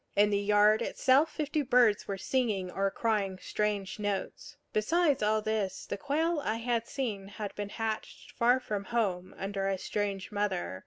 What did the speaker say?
In the yard itself fifty birds were singing or crying strange notes. Besides all this, the quail I had seen had been hatched far from home, under a strange mother.